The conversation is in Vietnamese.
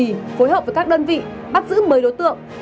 phối hợp với các đơn vị bắt giữ một mươi đối tượng